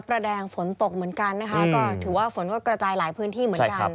ประแดงฝนตกเหมือนกันนะคะก็ถือว่าฝนก็กระจายหลายพื้นที่เหมือนกัน